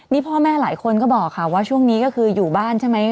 นี่พ่อแม่หลายคนก็บอกค่ะว่าช่วงนี้ก็คืออยู่บ้านใช่ไหม